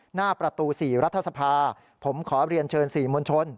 หน้าประตู๔รัฐสภาผมขอเรียนเชิญสื่อมวลชน